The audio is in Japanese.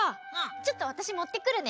ちょっとわたしもってくるね。